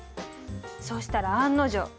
そしたら案の定。